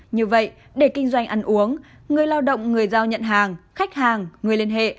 như vậy để kinh doanh ăn uống người lao động người giao nhận hàng khách hàng người liên hệ